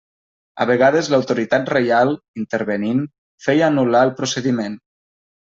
A vegades l'autoritat reial, intervenint, feia anul·lar el procediment.